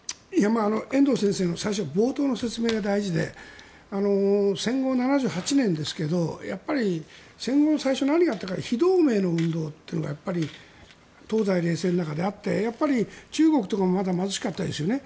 遠藤先生の最初の冒頭の説明が大事で戦後７８年ですがやはり、戦後最初に何があったかって非同盟の運動が東西冷戦の中であって中国とかもまだ貧しかったですよね。